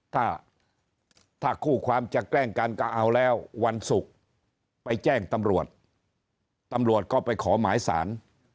ถ้าถ้าคู่ความจะแกล้งกันก็เอาแล้ววันศุกร์ไปแจ้งตำรวจตำรวจตำรวจก็ไปขอหมายสาร